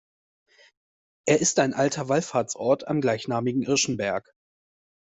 Er ist ein alter Wallfahrtsort am gleichnamigen Irschenberg.